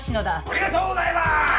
ありがとうございます！